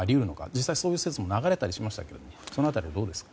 実際、そういう説も流れましたがその辺りどうですか？